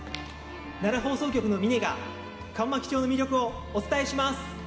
奈良放送局の峰が上牧町の魅力をお伝えします。